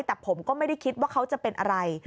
แต่ผมก็ไม่ได้คิดว่าเขาจะเป็นอะไร